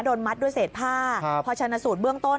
โดนมัดด้วยเศษผ้าพอชนะสูตรเบื้องต้น